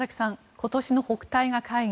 今年の北戴河会議